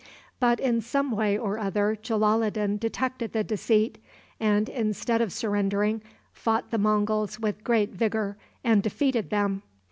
But in some way or other Jalaloddin detected the deceit, and, instead of surrendering, fought the Monguls with great vigor, and defeated them.